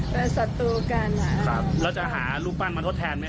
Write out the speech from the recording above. เป็นศัตรูกันนะครับแล้วจะหารูปปั้นมาทดแทนไหม